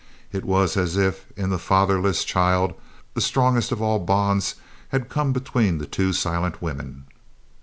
It was as if in the fatherless child the strongest of all bonds had come between the two silent women.